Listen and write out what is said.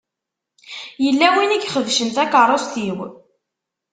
Yella win i ixebcen takeṛṛust-iw.